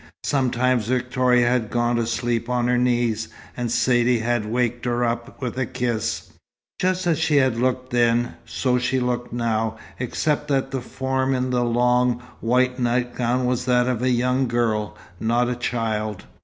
Sometimes Victoria had gone to sleep on her knees, and Saidee had waked her up with a kiss. Just as she had looked then, so she looked now, except that the form in the long, white nightgown was that of a young girl, not a child.